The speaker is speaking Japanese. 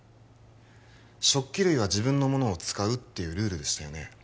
食器類は自分のものを使うっていうルールでしたよね？